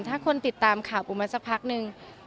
ถ้าคนติดตามข่าวปูมาสักพักนึง